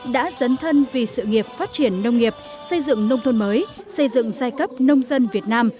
đã dấn thân vì sự nghiệp phát triển nông nghiệp xây dựng nông thôn mới xây dựng giai cấp nông dân việt nam